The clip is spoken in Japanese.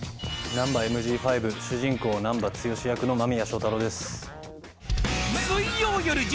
『ナンバＭＧ５』主人公難破剛役の間宮祥太朗です。